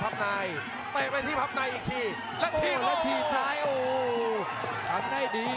หลุมเวียกเข้ามาทางล่าง